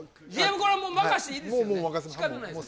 これ任していいですよね？